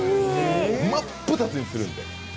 真っ二つにするんで。